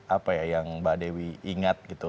apa ya yang mbak dewi ingat gitu